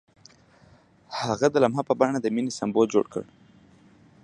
هغه د لمحه په بڼه د مینې سمبول جوړ کړ.